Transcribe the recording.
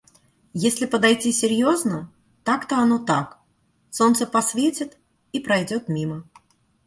Если подойти серьезно — так-то оно так. Солнце посветит — и пройдет мимо.